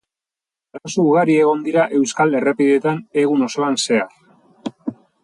Arazo ugari egon dira euskal errepideetan egun osoan zehar.